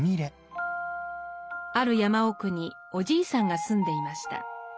ある山奥におじいさんが住んでいました。